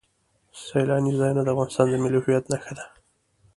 سیلانی ځایونه د افغانستان د ملي هویت نښه ده.